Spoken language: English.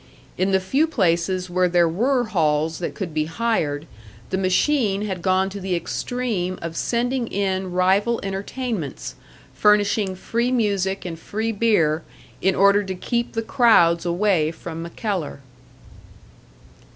In the few places where there were halls that could be hired, the machine had gone to the extreme of sending in rival entertainments, furnishing free music and free beer in order to keep the crowds away from MacKellar.